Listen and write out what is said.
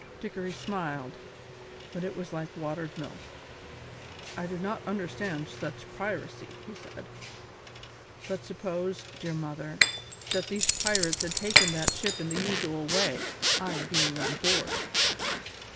Dickory smiled, but it was like watered milk. "I do not understand such piracy," he said, "but supposed, dear mother, that these pirates had taken that ship in the usual way, I being on board."